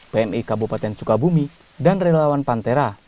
pmi kabupaten sukabumi dan relawan pantera